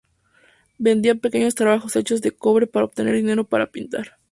Vendía pequeños trabajos hechos de cobre para obtener dinero para pintar.